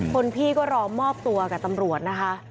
คนพี่ก็รอมอบตัวกับตำรวจนะคะ